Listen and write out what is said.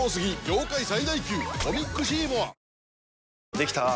できたぁ。